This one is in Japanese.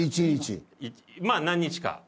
１日？まあ何日か。